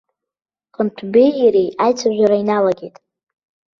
Хынҭәбеи иареи аицәажәара иналагеит.